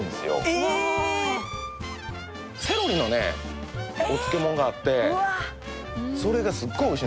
うわセロリのねお漬物があってそれがすっごいおいしいんです